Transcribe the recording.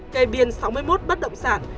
kê biên sáu mươi một bất động sản